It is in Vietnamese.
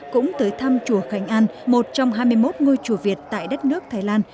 cũng tới thăm chùa khánh an một trong hai mươi một ngôi chùa việt tại đất nước thái lan